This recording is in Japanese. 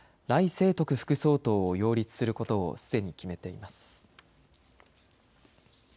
清徳副総統を擁立することをすでに決めています。